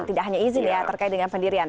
tidak hanya izin ya terkait dengan pendirian